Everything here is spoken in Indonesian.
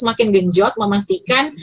semakin genjot memastikan